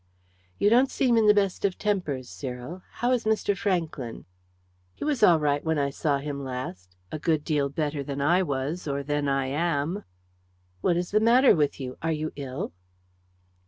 "You don't seem in the best of tempera, Cyril. How is Mr. Franklyn?" "He was all right when I saw him last a good deal better than I was or than I am." "What is the matter with you? Are you ill?"